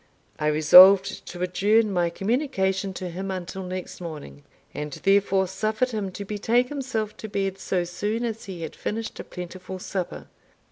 I resolved to adjourn my communication to him until next morning; and therefore suffered him to betake himself to bed so soon as he had finished a plentiful supper.